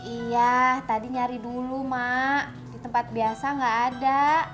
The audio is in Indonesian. iya tadi nyari dulu mak di tempat biasa gak ada